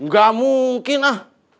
gak mungkin ah